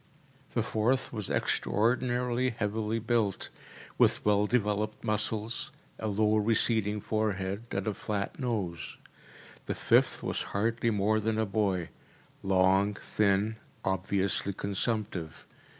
The fourth was extraordinarily heavily built, with well developed muscles, a low receding forehead and a flat nose. The fifth was hardly more than a boy, long, thin, obviously consumptive.